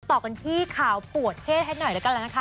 ต่อกันที่ข่าวปวดเทศให้หน่อยแล้วกันแล้วนะคะ